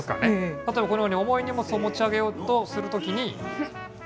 例えば、このように重い荷物を持ち上げようとするときに。